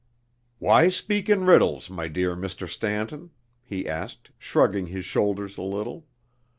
"Why speak in riddles, my dear Mr. Stanton?" he asked, shrugging his shoulders a little.